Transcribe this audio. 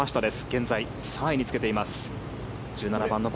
現在３位につけています。